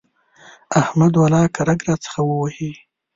احمد ولاکه رګ راڅخه ووهي.